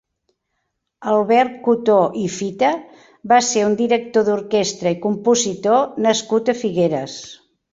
Albert Cotó i Fita va ser un director d'orquestra i compositor nascut a Figueres.